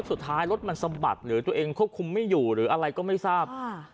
ส่วนต้องมันสอบบัตรหรือตัวเองควบคุมไม่อยู่หรืออะไรก็ไม่ทราบ